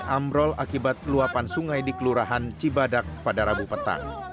amrol akibat luapan sungai di kelurahan cibadak pada rabu petang